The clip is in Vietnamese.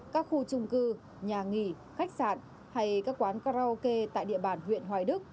các khu trung cư nhà nghỉ khách sạn hay các quán karaoke tại địa bàn huyện hoài đức